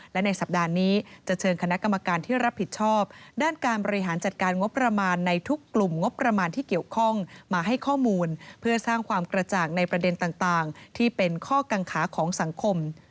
และในสัปดาห์นี้จะเชิญคณะกรรมการที่รับผิดชอบด้านการบริหารจัดการงบประมาณในทุกกลุ่มงบประมาณที่เกี่ยวข้องมาให้ข้อมูลเพื่อสร้างความกระจ่างในประเด็นต่างที่เป็นข้อกังขาของสังคม